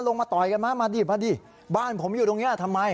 มาต่อยกันมามาดิมาดิบ้านผมอยู่ตรงนี้ทำไม